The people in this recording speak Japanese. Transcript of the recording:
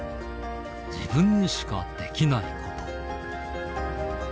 自分にしかできないこと。